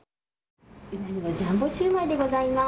うなにらジャンボシューマイでございます。